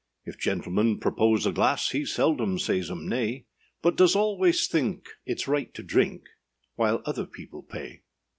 If gentlemen propose a glass, He seldom says âem nay, But does always think itâs right to drink, While other people pay.